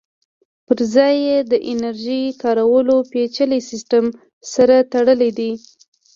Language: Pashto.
پرځای یې د انرژۍ کارولو پېچلي سیسټم سره تړلی دی